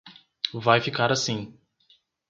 Vai ficar assim.